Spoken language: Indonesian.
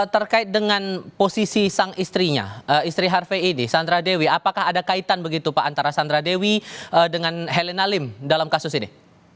terkait dengan posisi sang istrinya istri harvey ini sandra dewi apakah ada kaitan begitu pak antara sandra dewi dengan heli nalim dalam kasus ini